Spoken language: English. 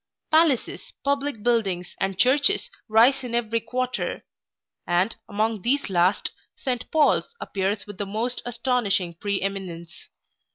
Palaces, public buildings, and churches rise in every quarter; and, among these last, St Paul's appears with the most astonishing pre eminence.